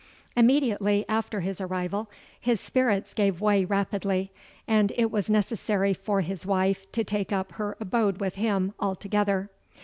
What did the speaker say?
"Immediately after his arrival, his spirits gave way rapidly; and it was necessary for his wife to take up her abode with him altogether.